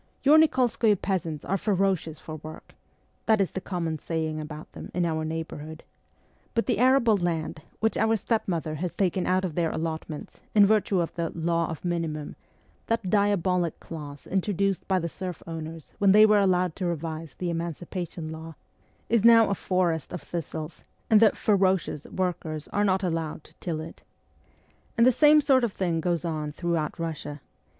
' Your Nikolskoye peasants are ferocious for work,' that is the common saying about them in our neighbourhood ; but the arable land, which our step mother has taken out of their allotments in virtue of the ' law of mini mum ' that diabolic clause introduced by the serf owners when they were allowed to revise the emancipa tion law is now a forest of thistles, and the ' ferocious ' workers are not allowed to till it. And the same sort of thing goes on throughout Kussia.